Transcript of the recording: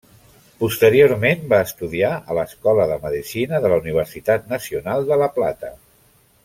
Posteriorment va estudiar a l'Escola de Medicina de la Universitat Nacional de La Plata.